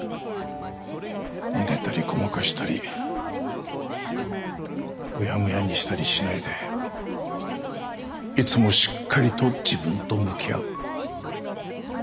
逃げたりごまかしたりうやむやにしたりしないでいつもしっかりと自分と向き合う。